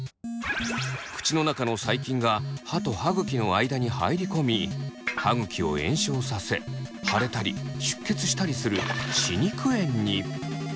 口の中の細菌が歯と歯ぐきの間に入り込み歯ぐきを炎症させ腫れたり出血したりする歯肉炎に。